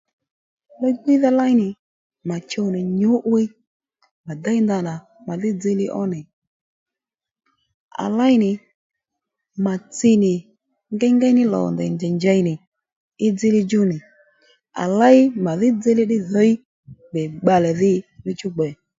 Li-gwíydha léy nì mà chuw nì nyǔ'wiy mà déy ndanà màdhí dziylíy ónì à léy nì mà tsinì ngéyngey ní lò ndèy nì ndèy njěy nì í dziylíy djú nì à ley màdhí dziylíy ddí dhǐy njàddí bbalè dhí níchú gbè